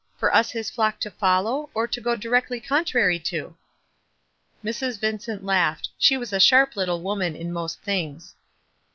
For us his flock to follow, or to go directly contrary to?" Mrs. Vincent laughed. She was a sharp little woman in most things.